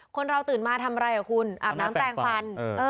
คนเราตื่นมาทำอะไรคุณอาบน้ำแปลงฟัน